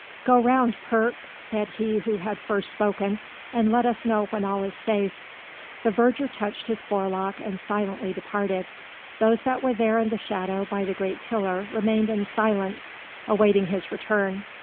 "Go round, Perk," said he who had first spoken, "and let us know when all is safe." The verger touched his forelock and silently departed. Those that were there in the shadow by the great pillar remained in silence awaiting his return.